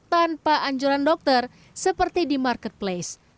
tanpa anjuran dokter seperti di marketplace